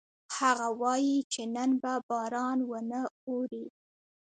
هغه وایي چې نن به باران ونه اوري